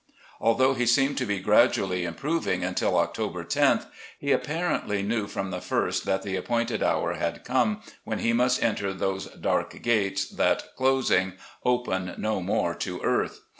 Although he seemed to be gradually improving imtil October loth, he apparently knew from the first that the appointed hour had come when he must enter those dark gates that, closing, open no more to earth.